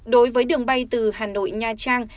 đối với đường bay từ hà nội nha trang